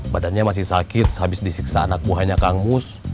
badannya masih sakit habis disiksa anak buahnya kang mus